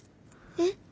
えっ？